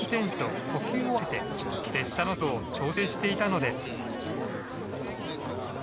列車の速度を調整していたのです。